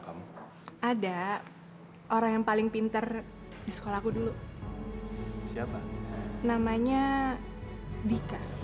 kamu ngapain di sini